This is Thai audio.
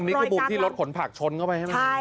อันนี้คือบุคที่รถผลผลักชนเข้าไปใช่มั้ย